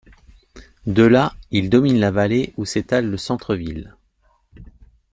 De là, il domine la vallée où s’étale le centre-ville.